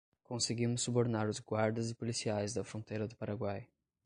Conseguimos subornar os guardas e policiais da fronteira do Paraguai